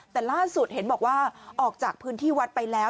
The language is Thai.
แต่ล่าสุดเห็นบอกว่าออกจากพื้นที่วัดไปแล้ว